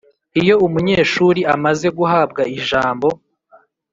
. Iyo umunyeshuri amaze guhabwa ijambo